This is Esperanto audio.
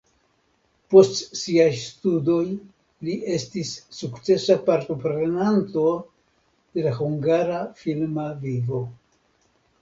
Post siaj studoj li estis sukcesa partoprenanto de la hungara filma vivo.